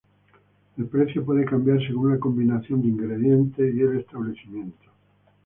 El precio puede cambiar según la combinación de ingredientes y el establecimiento.